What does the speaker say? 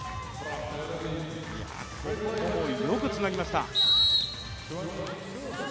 ここも、よくつなぎました。